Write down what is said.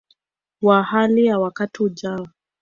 wa hali ya wakati ujao